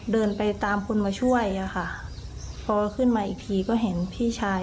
เดินไปตามคนมาช่วยอะค่ะพอขึ้นมาอีกทีก็เห็นพี่ชาย